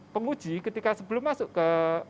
penguji ketika sebelum masuk ke